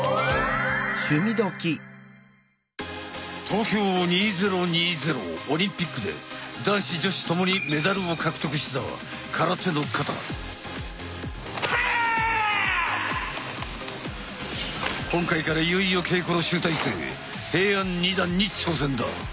東京２０２０オリンピックで男子女子ともにメダルを獲得した今回からいよいよ稽古の集大成平安二段に挑戦だ！